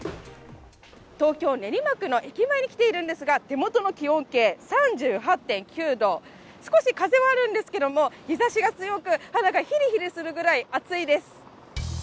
東京・練馬区の駅前に来ているんですけれども手元の気温計、３８．９度少し風はあるんですけれども、日ざしが強く、肌がヒリヒリするくらい暑いです。